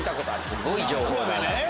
すごい情報だな。